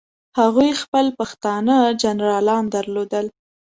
هغوی خپل پښتانه جنرالان درلودل.